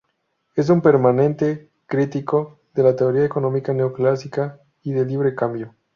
Es un permanente crítico de la teoría económica neoclásica y del libre cambio.